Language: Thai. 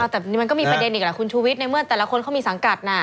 แต่มันก็มีประเด็นอีกแหละคุณชูวิทย์ในเมื่อแต่ละคนเขามีสังกัด